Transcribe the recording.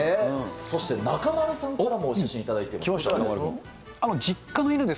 そして中丸さんからもお写真頂いてます。